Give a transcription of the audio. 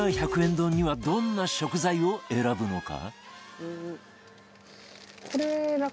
丼にはどんな食材を選ぶのか？